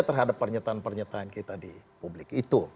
terhadap pernyataan pernyataan kita di publik itu